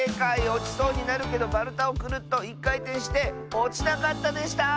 おちそうになるけどまるたをクルッといっかいてんしておちなかったでした！